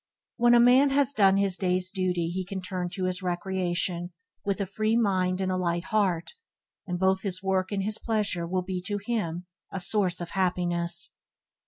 When a man has done his day's duty he can turn to his recreation with a free mind and a light heart, and both his work and his pleasure will be to him a source of happiness.